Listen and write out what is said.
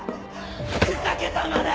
ふざけたまね！